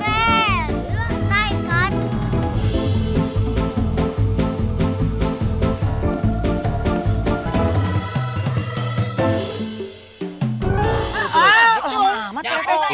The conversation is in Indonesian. gila keren kan